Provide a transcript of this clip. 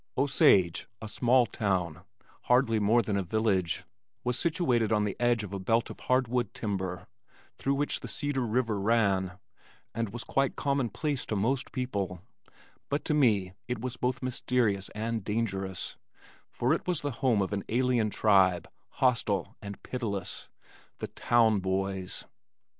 Osage, a small town, hardly more than a village, was situated on the edge of a belt of hardwood timber through which the Cedar River ran, and was quite commonplace to most people but to me it was both mysterious and dangerous, for it was the home of an alien tribe, hostile and pitiless "The Town Boys."